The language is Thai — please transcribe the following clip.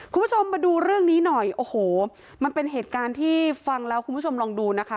คุณผู้ชมมาดูเรื่องนี้หน่อยโอ้โหมันเป็นเหตุการณ์ที่ฟังแล้วคุณผู้ชมลองดูนะคะ